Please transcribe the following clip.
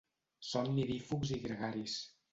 Són nidífugs i gregaris.